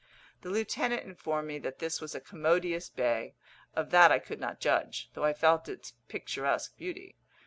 The lieutenant informed me that this was a commodious bay. Of that I could not judge, though I felt its picturesque beauty.